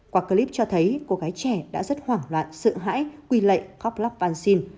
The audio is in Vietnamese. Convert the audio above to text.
qua clip cho thấy cô gái trẻ đã rất hoảng loạn sự hãi quy lệ khóc lắp văn xin